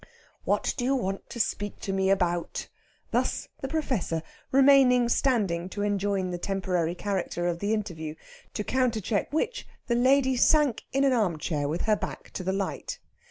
"What do you want to speak to me about?" Thus the Professor, remaining standing to enjoin the temporary character of the interview; to countercheck which the lady sank in an armchair with her back to the light.